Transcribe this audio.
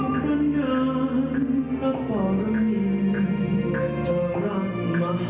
ให้สังเกตุในหลวงใจของราชาลุนทุกข์เกิงโฆษณ์ขาไลค์